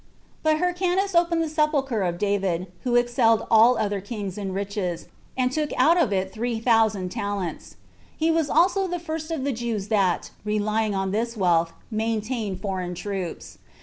4. But Hyrcanus opened the sepulcher of David, who excelled all other kings in riches, and took out of it three thousand talents. He was also the first of the Jews that, relying on this wealth, maintained foreign troops.